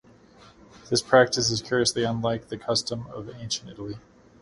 This practice is curiously unlike the custom of ancient Italy.